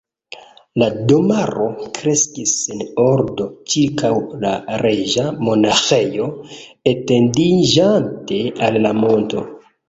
La domaro kreskis sen ordo ĉirkaŭ la Reĝa Monaĥejo, etendiĝante al la monto.